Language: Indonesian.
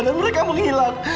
dan mereka menghilang